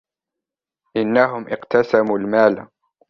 إنهم إقتسموا المال.